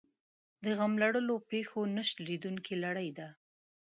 د غم لړلو پېښو نه شلېدونکې لړۍ ده.